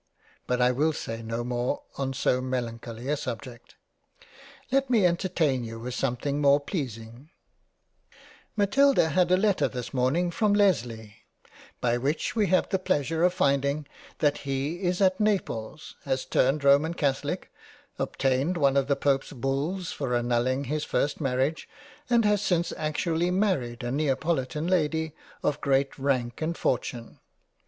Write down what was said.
But I will say no more on so melancholy a subject — Let me entertain you with something more pleasing Matilda had a letter this morning from Lesley, by which we have the pleasure of find ing that he is at Naples has turned Roman Catholic, obtained 78 £ LESLEY CASTLE £ one of the Pope's Bulls for annulling his ist Marriage and has since actually married a Neapolitan Lady of great Rank and Fortune.